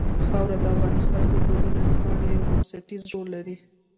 خاوره د افغانستان د ټولنې لپاره یو بنسټيز رول لري.